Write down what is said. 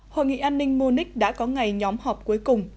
hội nghị an ninh munich đã có ngày nhóm họp cuối cùng